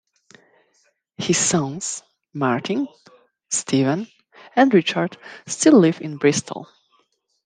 His sons Martin, Stephen and Richard still live in Bristol.